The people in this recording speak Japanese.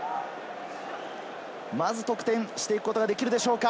まず得点していくことができるでしょうか。